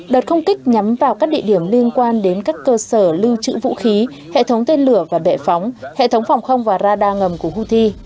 đợt không kích nhắm vào các địa điểm liên quan đến các cơ sở lưu trữ vũ khí hệ thống tên lửa và bệ phóng hệ thống phòng không và radar ngầm của houthi